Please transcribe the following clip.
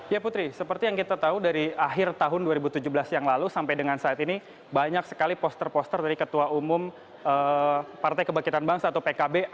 ya putri seperti yang kita tahu dari akhir tahun dua ribu tujuh belas yang lalu sampai dengan saat ini banyak sekali poster poster dari ketua umum partai kebangkitan bangsa atau pkb